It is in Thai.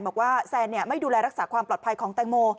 บอกว่าแซนไม่ดูแลรักษาความปลอดภัยของแตงโม